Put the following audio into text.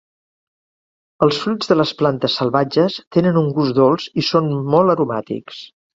Els fruits de les plantes salvatges tenen un gust dolç i són molt aromàtics.